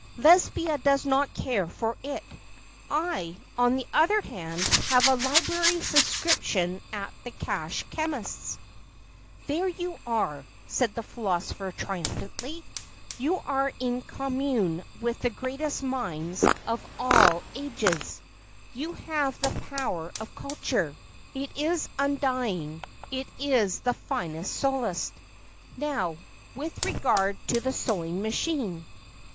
"Lesbia does not care for it. I, on the other hand, have a library subscription at the cash chemist's." "There you are," said the philosopher triumphantly, "you are in commune with the greatest minds of all THE PHILOSOPHER 285 ages. You have the power of culture. It is undying, it is the finest solace. Now, with regard to the sewing machine."